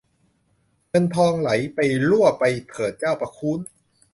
เงินทองไหลไปรั่วไปเถิดเจ้าประคู้น